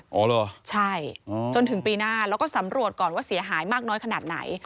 อ๋อเหรอใช่จนถึงปีหน้าแล้วก็สำรวจก่อนว่าเสียหายมากน้อยขนาดไหน